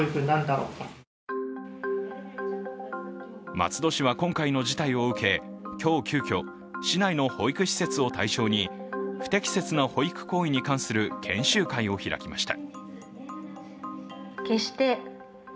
松戸市は今回の事態を受け、今日急きょ市内の保育施設を対象に不適切な保育行為に関する研修会を開きました。